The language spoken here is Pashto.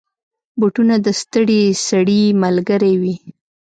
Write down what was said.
بوټونه د ستړي سړي ملګری وي.